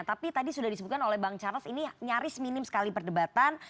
tapi tadi sudah disebutkan oleh bang charles ini nyaris minim sekali perdebatan